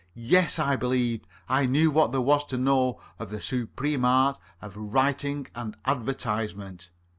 Yes, I believed I knew what there was to know of the supreme art of writing an advertisement.